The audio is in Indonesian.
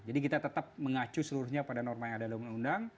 jadi kita tetap mengacu seluruhnya pada norma yang ada dalam undang undang